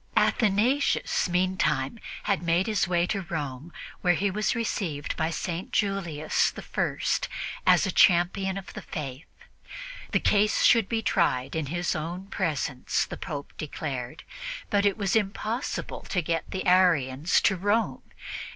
Athanasius, in the meantime, had made his way to Rome, where he was received by St. Julius I as a champion of the Faith. The case should be tried in his own presence, the Pope declared; but it was impossible to get the Arians to Rome.